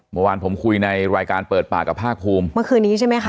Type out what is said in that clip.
เมื่อวานผมคุยในรายการเปิดปากกับภาคภูมิเมื่อคืนนี้ใช่ไหมคะ